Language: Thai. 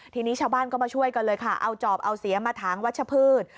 ทีนี้ชาวบ้านก็มาช่วยกันเลยค่ะเอาจอบเอาเสียมาถางวัชพืช